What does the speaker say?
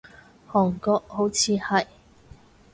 韓國，好似係